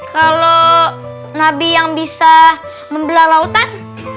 kalau nabi yang bisa membelah lautan